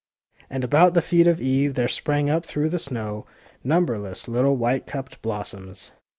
And about the feet of Eve there sprang up through the snow numberless little white cupped blossoms.